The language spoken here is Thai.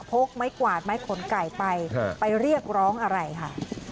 กไม้กวาดไม้ขนไก่ไปไปเรียกร้องอะไรค่ะ